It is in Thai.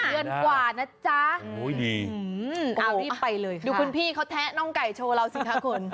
เยือนกว่านะจ๊ะโอ้ยดีอ้าวรีบไปเลยค่ะดูคุณพี่เขาแท้น้องไก่โชว์เราสิค่ะคน